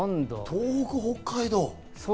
東北、北海道。